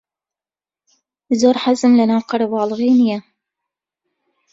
زۆر حەزم لەناو قەرەباڵغی نییە.